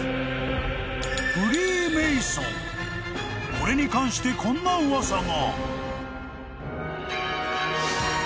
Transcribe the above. ［これに関してこんな噂が］